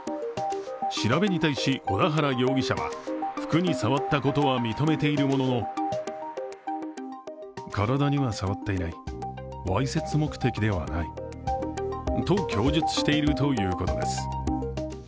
調べに対し小田原容疑者は服に触ったことは認めているもののと供述しているということです。